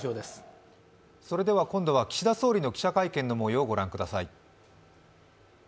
今度は岸田総理の記者会見の模様をご覧ください。